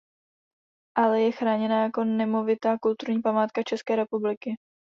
Alej je chráněna jako nemovitá kulturní památka České republiky.